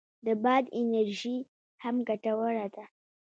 د باد انرژي هم ګټوره ده